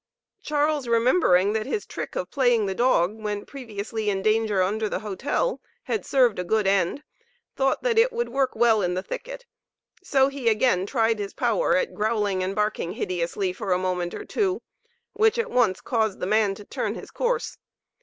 Charles remembering that his trick of playing the dog, when previously in danger under the hotel, had served a good end, thought that it would work well in the thicket. So he again tried his power at growling and barking hideously for a moment or two, which at once caused the man to turn his course.